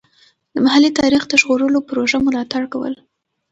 د محلي تاریخ د ژغورلو پروژو ملاتړ کول.